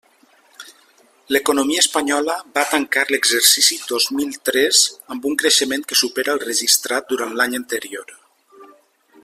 L'economia espanyola va tancar l'exercici dos mil tres amb un creixement que supera el registrat durant l'any anterior.